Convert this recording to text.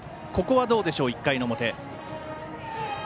ここは、どうでしょう１回の表。